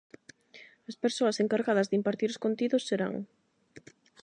As persoas encargadas de impartir os contidos serán: